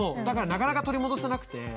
だからなかなか取り戻せなくて。